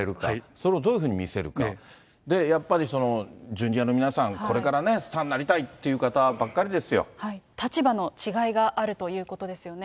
それをどういうふうに見せるか、やっぱりＪｒ．の皆さん、これからね、スターになりたいという方立場の違いがあるということですよね。